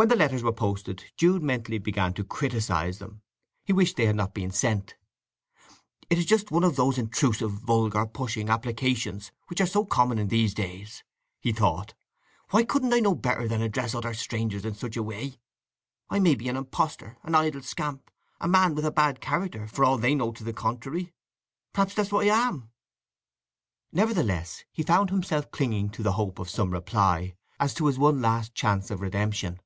When the letters were posted Jude mentally began to criticize them; he wished they had not been sent. "It is just one of those intrusive, vulgar, pushing, applications which are so common in these days," he thought. "Why couldn't I know better than address utter strangers in such a way? I may be an impostor, an idle scamp, a man with a bad character, for all that they know to the contrary… Perhaps that's what I am!" Nevertheless, he found himself clinging to the hope of some reply as to his one last chance of redemption.